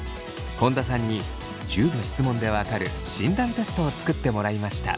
本田さんに１０の質問でわかる診断テストを作ってもらいました。